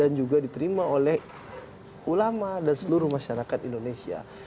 dan juga diterima oleh ulama dan seluruh masyarakat indonesia